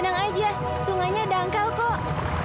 senang aja sungainya dangkal kok